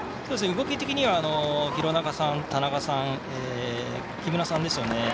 動き的には廣中さん、田中さん木村さんですよね。